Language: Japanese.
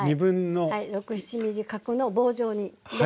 ６７ｍｍ角の棒状にね。